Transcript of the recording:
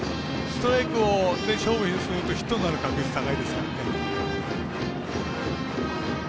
ストライクで勝負するとヒットになる確率高いですから。